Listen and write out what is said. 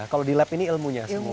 kalau di lab ini ilmunya semua